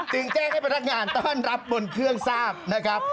จึงแจ้งให้พนักงานต้อนรับบนเครื่องทราบนะครับ